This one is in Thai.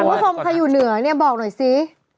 คุณผู้ชมใครอยู่เหนือเนี่ยบอกหน่อยสิ